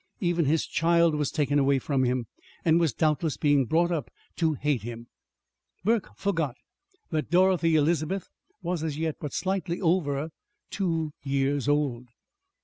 Even his child was taken away from him; and was doubtless being brought up to hate him Burke forgot that Dorothy Elizabeth was as yet but slightly over two years old.